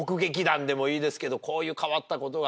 でもいいですけどこういう変わったことが。